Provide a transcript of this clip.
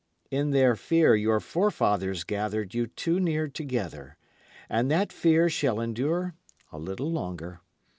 In their fear your forefathers gathered you too near together. And that fear shall endure a little longer.